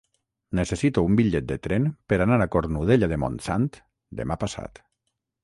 Necessito un bitllet de tren per anar a Cornudella de Montsant demà passat.